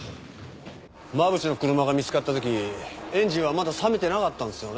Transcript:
真渕の車が見つかった時エンジンはまだ冷めてなかったんですよね？